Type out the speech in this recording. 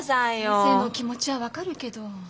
先生の気持ちは分かるけど。